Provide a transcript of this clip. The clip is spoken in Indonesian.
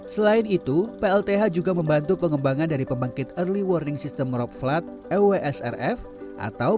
selain itu plth juga membantu pengembangan dari pembangkit early warning system rob flat ewsrf atau